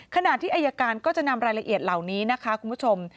ขณะที่อายการก็จะนำรายละเอียดเหล่านี้นะคะคุณผู้ชม